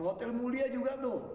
hotel mulia juga tuh